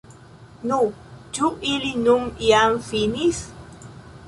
Nu, ĉu ili nun jam finis?